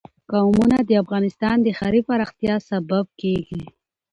قومونه د افغانستان د ښاري پراختیا سبب کېږي.